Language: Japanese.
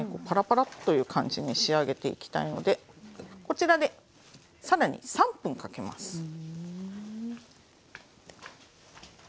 パラパラッという感じに仕上げていきたいのでこちらで更に３分かけます。